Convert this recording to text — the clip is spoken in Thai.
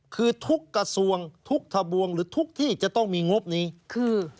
คือทุกกระทรวงทุกทะบวงหรือทุกที่จะต้องมีงบนี้คือ